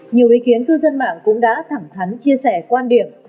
nhiều ý kiến cư dân mạng cũng đã thẳng thắn chia sẻ quan điểm